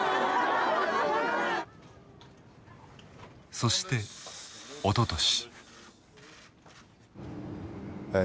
そしておととし。